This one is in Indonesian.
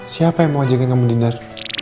siapa yang mau ajakin kamu dinner